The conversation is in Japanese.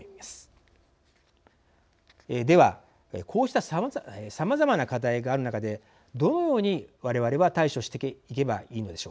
ではこうしたさまざまな課題がある中でどのように我々は対処していけばいいのでしょうか。